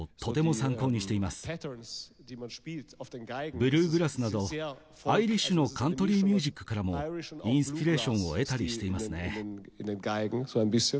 ブルーグラスなどアイリッシュのカントリーミュージックからもインスピレーションを得たりしていますね。